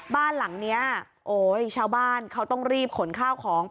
บ้านหลังนี้โอ้ยชาวบ้านเขาต้องรีบขนข้าวของ